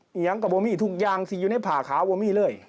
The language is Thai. เอียงกับโบมี่ทุกอย่างสิอยู่ในผ่าขาบูมี่เลย